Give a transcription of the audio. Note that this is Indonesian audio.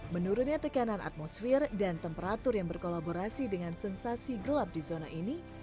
menurunnya tekanan atmosfer dan temperatur yang berkolaborasi dengan sensasi gelap di zona ini